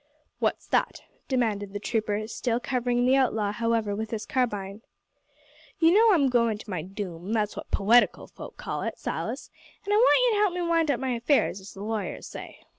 "What's that?" demanded the trooper, still covering the outlaw, however, with his carbine. "You know I'm goin' to my doom that's what poetical folk call it, Silas an' I want you to help me wind up my affairs, as the lawyers say.